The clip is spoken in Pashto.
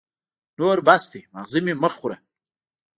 نور بس دی ، ماغزه مي مه خوره !